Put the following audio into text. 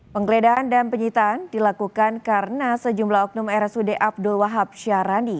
penggeledahan dan penyitaan dilakukan karena sejumlah oknum rsud abdul wahab syarani